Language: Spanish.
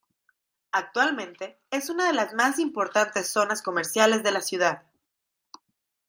Actualmente es una de las más importantes zonas comerciales de la ciudad.